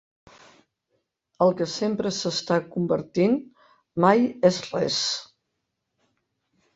El que sempre s'està convertint, mai és res.